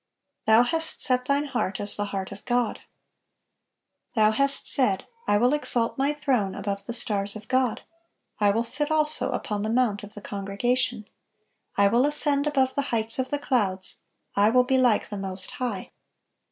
"Thou hast set thine heart as the heart of God." "Thou hast said, ... I will exalt my throne above the stars of God: I will sit also upon the mount of the congregation.... I will ascend above the heights of the clouds; I will be like the Most High."